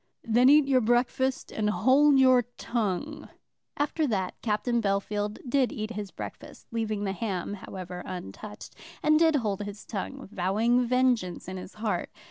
"Then eat your breakfast, and hold your tongue." After that Captain Bellfield did eat his breakfast, leaving the ham however untouched, and did hold his tongue, vowing vengeance in his heart.